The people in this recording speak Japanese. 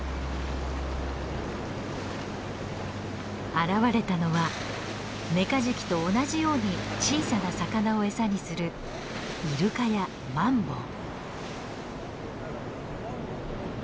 現れたのはメカジキと同じように小さな魚を餌にするイルカやマンボウ。